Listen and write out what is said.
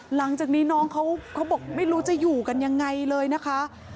หลังจากนี้น้องเขาบอกไม่รู้จะอยู่กันยังไงเลยนะคะ